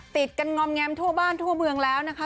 ติดกันงอมแงมทั่วบ้านทั่วเมืองแล้วนะคะ